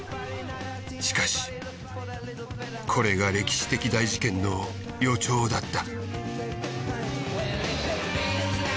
しかしこれが歴史的大事件の予兆だった。